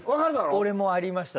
俺もありました。